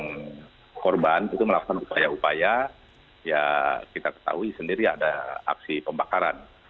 yang korban itu melakukan upaya upaya ya kita ketahui sendiri ada aksi pembakaran